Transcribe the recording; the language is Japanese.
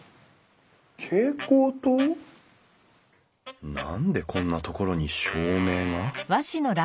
蛍光灯？何でこんなところに照明が？